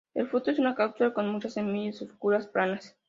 El fruto es una cápsula, con muchas semillas oscuras, planas.